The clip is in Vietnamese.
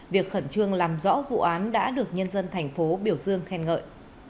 việc khẩn trương làm rõ vụ án đã được nhân dân thành phố biểu dương khen ngợi